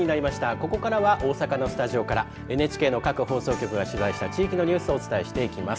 ここからは大阪のスタジオからＮＨＫの各放送局が取材した地域のニュースをお伝えしていきます。